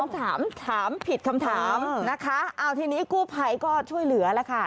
ถามถามผิดคำถามนะคะเอาทีนี้กู้ภัยก็ช่วยเหลือแล้วค่ะ